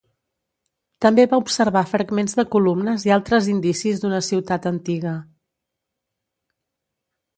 També va observar fragments de columnes i altres indicis d'una ciutat antiga.